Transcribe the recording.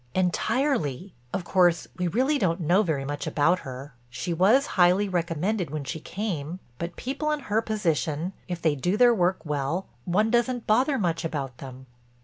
"Entirely. Of course we really don't know very much about her. She was highly recommended when she came, but people in her position if they do their work well—one doesn't bother much about them."